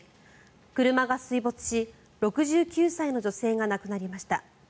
車が水没し６９歳の女性が亡くなりました。